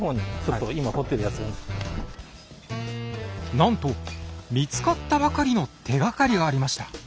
なんと見つかったばかりの手がかりがありました。